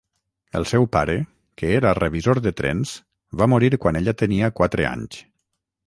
El seu pare, que era revisor de trens, va morir quan ella tenia quatre anys.